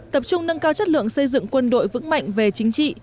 tập trung nâng cao chất lượng xây dựng quân đội vững mạnh về chính trị